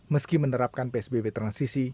meski menerapkan psbb transisi